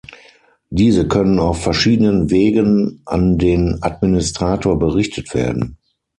Diese können auf verschiedenen Wegen an den Administrator berichtet werden.